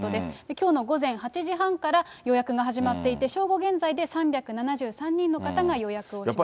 きょうの午前８時半から予約が始まっていて、正午現在で３７３人の方が予約をしました。